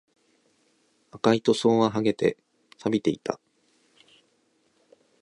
赤い塗装は剥げて、錆びていた